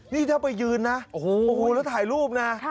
นี่ถ้าไปยืนนะโอ้โหแล้วถ่ายรูปนะ